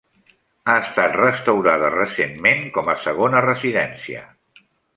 Ha estat restaurada recentment com a segona residència.